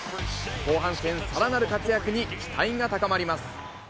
後半戦さらなる活躍に期待が高まります。